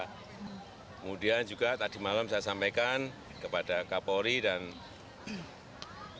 kemudian juga tadi malam saya sampaikan kepada kapolri dan